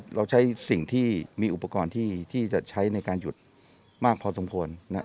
ตอนนี้เราใช้สิ่งที่มีอุปกรณ์ที่จะใช้ในการหยุดมากพอสมควร